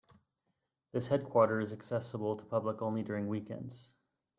This headquarter is accessible to public only during weekends.